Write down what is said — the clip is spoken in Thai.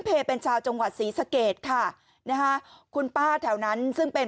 เพเป็นชาวจังหวัดศรีสะเกดค่ะนะฮะคุณป้าแถวนั้นซึ่งเป็น